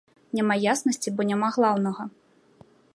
Няма яснасці, бо няма глаўнага.